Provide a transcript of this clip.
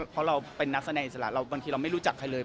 เพราะเราเป็นนักแสดงอิสระบางทีเราไม่รู้จักใครเลย